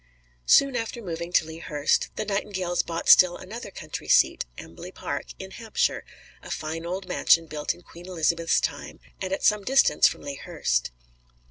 Soon after moving to Lea Hurst, the Nightingales bought still another country seat, Embley Park, in Hampshire, a fine old mansion built in Queen Elizabeth's time, and at some distance from Lea Hurst.